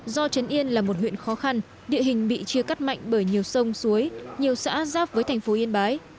do trấn yên là một huyện khó khăn địa hình bị chia cắt mạnh bởi nhiều sông suối nhiều xã giáp với thành phố yên bái